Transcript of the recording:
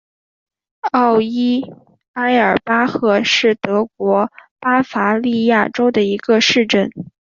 奥伊埃尔巴赫是德国巴伐利亚州的一个市镇。